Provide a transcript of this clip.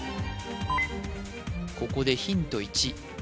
ここでヒント